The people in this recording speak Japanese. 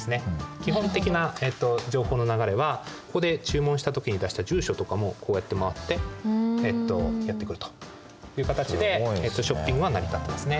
基本的な情報の流れはここで注文した時に出した住所とかもこうやって回ってやって来るという形でネットショッピングは成り立っていますね。